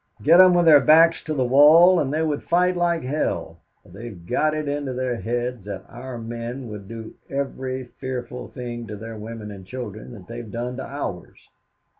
"Get them with their backs to the wall and they would fight like hell, for they've got it into their heads that our men would do every fearful thing to their women and children that they have done to ours."